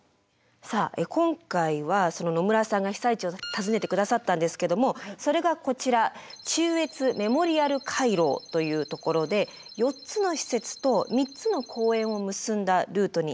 さあ今回は野村さんが被災地を訪ねて下さったんですけどもそれがこちら「中越メモリアル回廊」というところで４つの施設と３つの公園を結んだルートになっているんですよね。